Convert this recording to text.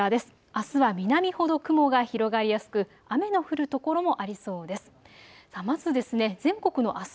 あすは南ほど雲が広がりやすく雨の降る所もありそうです。